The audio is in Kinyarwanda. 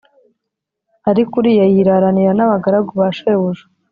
Ariko Uriya yiraranira n’abagaragu ba shebuja